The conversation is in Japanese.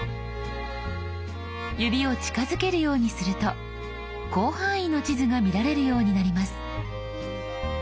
指を近づけるようにすると広範囲の地図が見られるようになります。